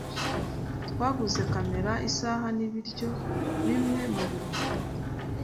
Twaguze kamera, isaha nibiryo bimwe muribubiko.